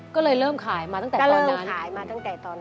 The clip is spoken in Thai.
ก็เลยเริ่มขายมาตั้งแต่ตอนนั้นขายมาตั้งแต่ตอนนั้น